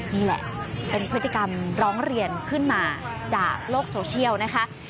นี่แหละเป็นพฤติกรรมร้องเรียนขึ้นมาจากโลกโซเชียลนะคะ